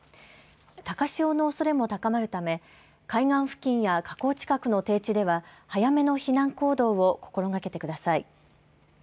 高潮のおそれも高まるため海岸付近や河口近くの低地では早めの避難行動を心がけてください。